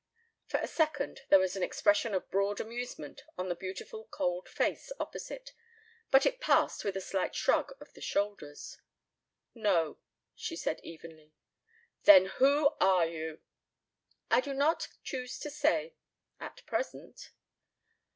For a second there was an expression of broad amusement on the beautiful cold face opposite, but it passed with a slight shrug of the shoulders. "No," she said evenly. "Then who are you?" "I do not choose to say at present."